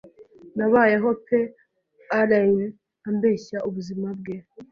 Nabayeho pe Allayne ambeshya ubuzima bwe